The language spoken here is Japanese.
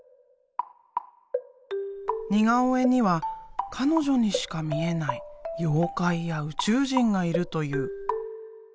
似顔絵には彼女にしか見えない妖怪や宇宙人がいるという。